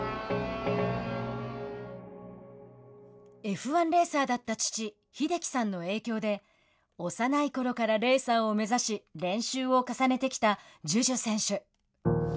Ｆ１レーサーだった父・英樹さんの影響で幼いころからレーサーを目指し練習を重ねてきたＪｕｊｕ選手。